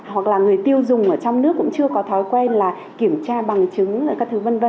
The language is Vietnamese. hoặc là người tiêu dùng ở trong nước cũng chưa có thói quen là kiểm tra bằng chứng các thứ v v